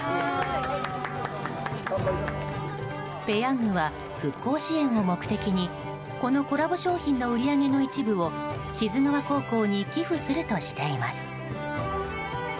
ペヤングは復興支援を目的にこのコラボ商品の売り上げの一部を志津川高校に寄付するとしています。